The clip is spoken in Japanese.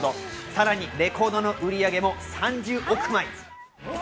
さらにレコードの売り上げも３０億枚。